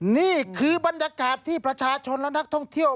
นี่คือบรรยากาศที่ประชาชนและนักท่องเที่ยว